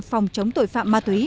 phòng chống tội phạm ma túy